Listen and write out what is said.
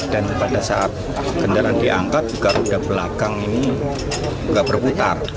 dan pada saat kendaraan diangkat juga roda belakang ini tidak berputar